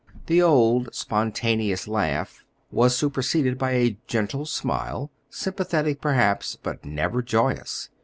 The old spontaneous laugh was superseded by a gentle smile, sympathetic perhaps, but never joyous.